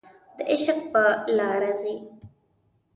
د عشق په لاره ځي